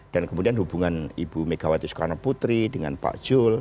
dan kemudian hubungan ibu megawati soekarno putri dengan pak jul